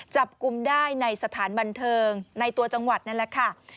จับกลุ่มได้ในสถานบันเทิงในตัวจังหวัดนั่นแหละค่ะ